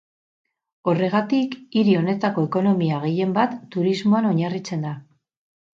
Horregatik, hiri honetako ekonomia gehienbat turismoan oinarritzen da.